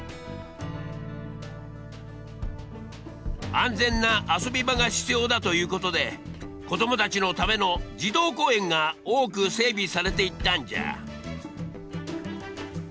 安全な遊び場が必要だということで子供たちのための「児童公園」が多く整備されていったんじゃ。